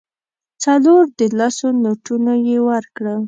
څلور د لسو نوټونه یې ورکړل.